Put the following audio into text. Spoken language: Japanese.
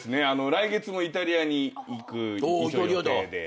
来月もイタリアに行く予定で。